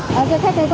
xe khách này có mức độ